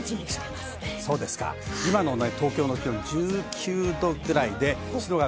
今の東京の気温１９度ぐらい。